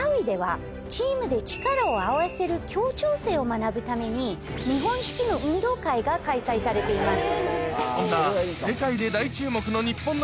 チームで力を合わせる協調性を学ぶために日本式の運動会が開催されています。